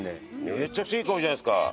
めちゃくちゃいい香りじゃないですか！